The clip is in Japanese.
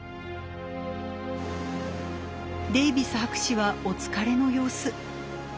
デイビス博士はお疲れの様子。